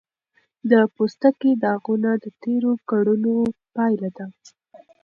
د پوستکي داغونه د تېرو کړنو پایله ده.